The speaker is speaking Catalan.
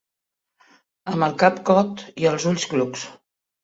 Amb el cap cot i els ulls clucs.